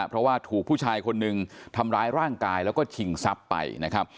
เพราะว่าถูกผู้ชายคนหนึ่งทำร้ายร่างกายแล้วก็ชิงทรัพย์ไปนะครับ